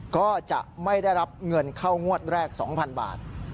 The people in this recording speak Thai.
ก็จะไม่ได้รับเงินเข้างวดแรก๒๐๐๐บาท